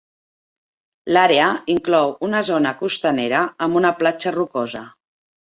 L'àrea inclou una zona costanera amb una platja rocosa.